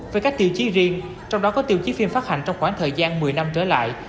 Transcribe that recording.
với các tiêu chí riêng trong đó có tiêu chí phim phát hành trong khoảng thời gian một mươi năm trở lại